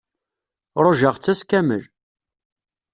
Ṛujaɣ-tt ass kamel.